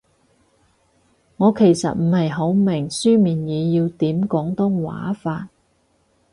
我其實唔係好明書面語要點廣東話法